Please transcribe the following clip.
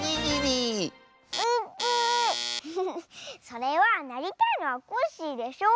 それはなりたいのはコッシーでしょ？